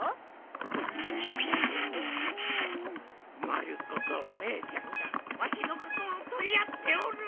まる子とお姉ちゃんがわしのことを取り合っておる